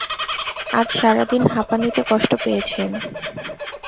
আজ সারাদিন হাঁপানিতে কষ্ট পেয়েছেন।